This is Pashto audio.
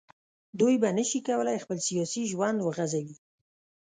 دوی به نه شي کولای خپل سیاسي ژوند وغځوي